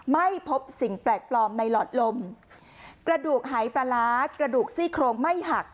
ไม่พบสิ่งแปลกปลอมในหลอดลมกระดูกหายปลาร้ากระดูกซี่โครงไม่หัก